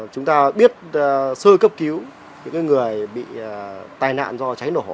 chúng ta biết sơ cấp cứu những người bị tai nạn do cháy nổ